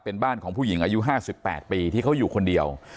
เป็นบ้านของผู้หญิงอายุ๕๘ปีที่เขาอยู่คนเดียว